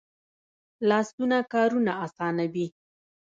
لاسونه کارونه آسانوي